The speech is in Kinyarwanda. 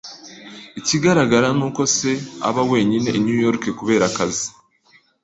Ikigaragara ni uko se aba wenyine i New York kubera akazi.